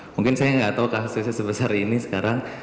mungkin saya gak tau kasusnya sebesar ini sekarang